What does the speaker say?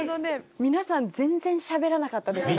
皆さん全然しゃべらなかったですね。